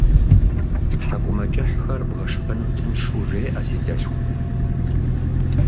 Тхьэкӏумэкӏыхьхэр бгъэшхэну тыншу жеӏэ си дэлъхум.